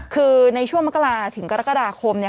คือในช่วงมกราถถึงกรกฎาคม